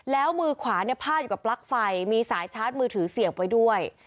แล้วมือขวาเนี่ยพาดอยู่กับปลั๊กไฟมีสายชาร์จมือถือเสียบไว้ด้วย